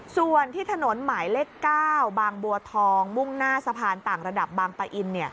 ส่วนที่ถนนหมายเลข๙บางบัวทองมุ่งหน้าสะพานต่างระดับบางปะอิน